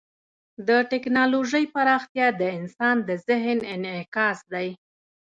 د ټیکنالوژۍ پراختیا د انسان د ذهن انعکاس دی.